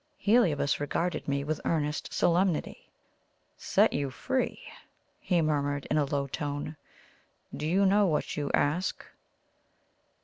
Heliobas regarded me with earnest solemnity. "Set you free!" he murmured, in a low tone. "Do you know what you ask?"